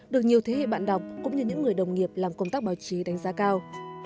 được nhiều thế hệ bạn đọc cũng như những người đồng nghiệp làm công tác báo chí đánh giá cao